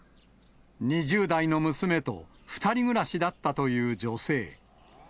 ２０代の娘と２人暮らしだったという女性。